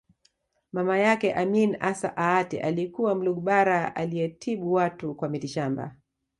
Mama yake Amin Assa Aatte alikuwa Mlugbara aliyetibu watu kwa mitishamba